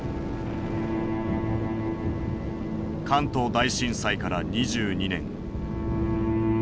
関東大震災から２２年。